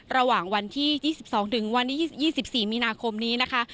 ระหว่างวันที่๒๒ถึงวันที่๒๔มีนาคมนี้นะคะ